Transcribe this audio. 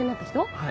はい。